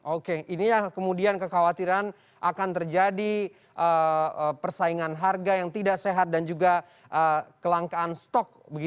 oke ini yang kemudian kekhawatiran akan terjadi persaingan harga yang tidak sehat dan juga kelangkaan stok